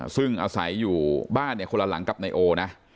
ซึ่งอาศัยอยู่บ้านเนี่ยคนละหลังกับนายโอนะ